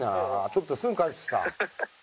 ちょっとすぐ返すしさ。